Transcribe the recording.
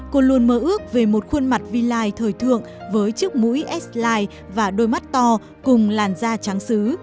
cô luôn mơ ước về một khuôn mặt v line thời thường với chiếc mũi s line và đôi mắt to cùng làn da trắng xứ